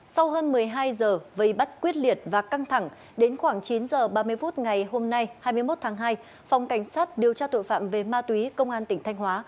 sau hơn một mươi hai giờ vây bắt quyết liệt và căng thẳng đến khoảng chín h ba mươi phút ngày hôm nay hai mươi một tháng hai phòng cảnh sát điều tra tội phạm về ma túy công an tỉnh thanh hóa